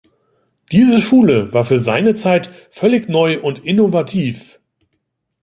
Diese Schule war für seine Zeit völlig neu und innovativ.